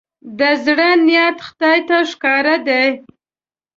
د زړه نيت خدای ته ښکاره دی.